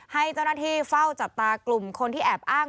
ให้เจ้าหน้าที่เฝ้าจับตากลุ่มคนที่แอบอ้าง